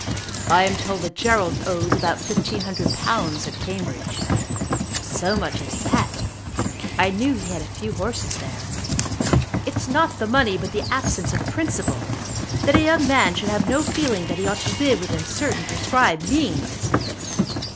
"I am told that Gerald owes about fifteen hundred pounds at Cambridge." "So much as that! I knew he had a few horses there." "It is not the money, but the absence of principle, that a young man should have no feeling that he ought to live within certain prescribed means!